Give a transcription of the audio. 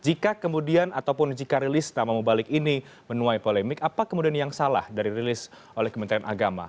jika kemudian ataupun jika rilis nama mubalik ini menuai polemik apa kemudian yang salah dari rilis oleh kementerian agama